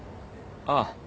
ああ。